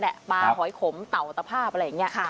ก็แดะปลาหอยขมเต่าอัตภาพอะไรอย่างเงี่ยค่ะ